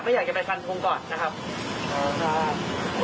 อยากจะไปฟันทงก่อนนะครับ